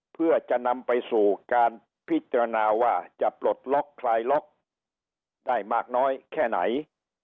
เพื่อจะนำไปสู่การพิจารณาว่าจะปลดล็อกคลายล็อกได้มากน้อยแค่ไหน